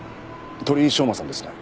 鳥居翔真さんですね？